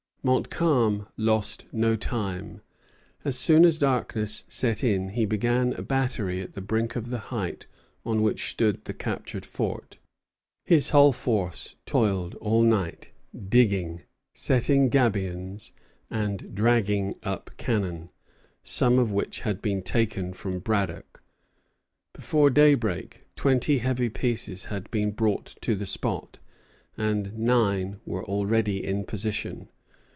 Montcalm lost no time. As soon as darkness set in he began a battery at the brink of the height on which stood the captured fort. His whole force toiled all night, digging, setting gabions, and dragging up cannon, some of which had been taken from Braddock. Before daybreak twenty heavy pieces had been brought to the spot, and nine were already in position.